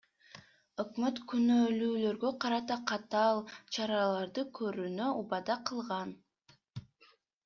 Өкмөт күнөөлүүлөргө карата катаал чараларды көрүүнү убада кылган.